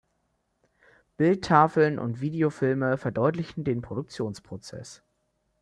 Bildtafeln und Videofilme verdeutlichen den Produktionsprozess.